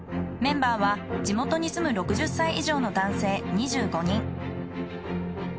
メンバーは地元に住む６０歳以上の男性２５人。